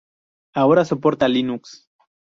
Ahora soporta Linux.